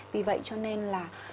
vì vậy cho nên là